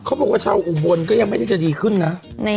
เขาบอกว่าชาวอุบลก็ยังไม่ได้จะดีขึ้นนะ